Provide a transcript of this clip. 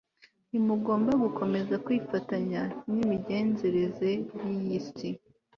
ntimugomba gukomeza kwifatanya n'imigenzereze y'iyi si